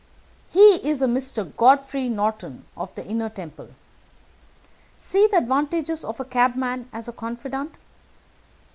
He is a Mr. Godfrey Norton of the Inner Temple. See the advantages of a cabman as a confidant.